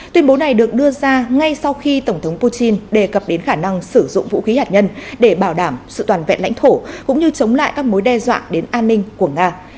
tuyên bố này được đưa ra ngay sau khi tổng thống putin đề cập đến khả năng sử dụng vũ khí hạt nhân để bảo đảm sự toàn vẹn lãnh thổ cũng như chống lại các mối đe dọa đến an ninh của nga